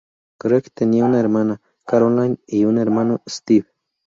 Gregg tenía una hermana, Caroline, y un hermano, Steve.